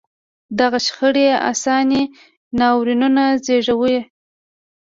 دغه شخړې انساني ناورینونه زېږوي.